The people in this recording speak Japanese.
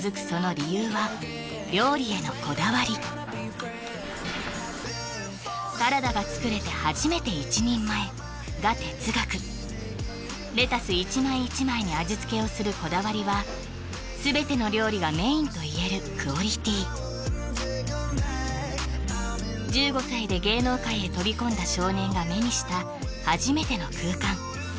その理由は料理へのこだわりサラダが作れて初めて一人前が哲学レタス一枚一枚に味つけをするこだわりはすべての料理がメインといえるクオリティー１５歳で芸能界へ飛び込んだ少年が目にした初めての空間